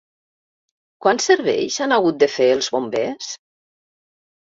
Quants serveis han hagut de fer els Bombers?